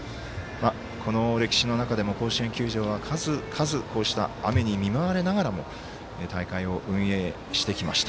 この歴史の中でも甲子園球場は数々、こうした雨に見舞われながらも大会を運営してきました。